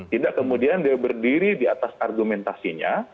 tidak kemudian dia berdiri di atas argumentasinya